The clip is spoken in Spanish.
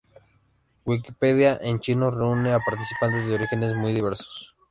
Wikipedia en chino reúne a participantes de orígenes muy diversos.